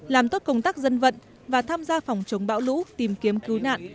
làm tốt công tác dân vận và tham gia phòng chống bão lũ tìm kiếm cứu nạn